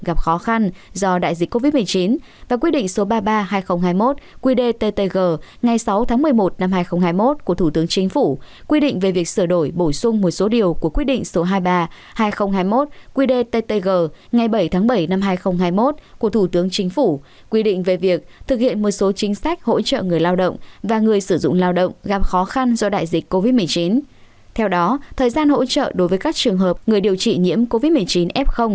gặp khó khăn do đại dịch covid một mươi chín theo đó thời gian hỗ trợ đối với các trường hợp người điều trị nhiễm covid một mươi chín f